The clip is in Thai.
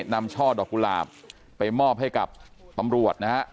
ช่อดอกกุหลาบไปมอบให้กับตำรวจนะฮะ